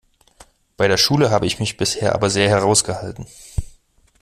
Bei der Schule habe ich mich bisher aber sehr heraus gehalten.